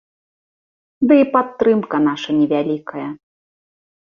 Ды і падтрымка наша невялікая.